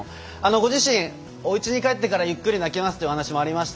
ご自身おうちに帰ってからゆっくり泣きますというお話もありました。